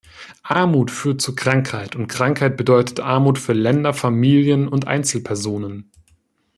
Armut führt zu Krankheit, und Krankheit bedeutet Armut für Länder, Familien und Einzelpersonen.